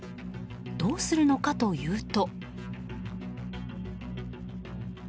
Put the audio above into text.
どうするのかというと。